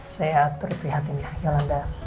saya terperihatin ya yolanda